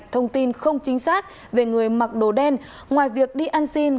thông tin không chính xác về người mặc đồ đen ngoài việc đi ăn xin